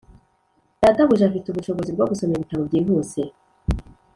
databuja afite ubushobozi bwo gusoma ibitabo byihuse